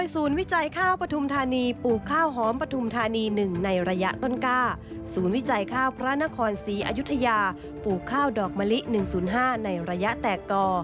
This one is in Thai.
ศูนย์วิจัยข้าวพระนครศรีอยุธยาปลูกข้าวดอกมะลิ๑๐๕ในระยะแตกก่อ